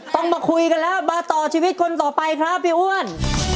ต้องมาคุยกันแล้วมาต่อชีวิตคนต่อไปครับพี่อ้วน